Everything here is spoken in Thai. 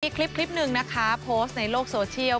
อีกคลิปหนึ่งนะคะโพสต์ในโลกโซเชียล